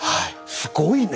すごいね！